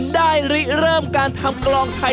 ริเริ่มการทำกลองไทย